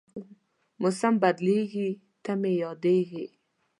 موسم بدلېږي، ته مې یادېږې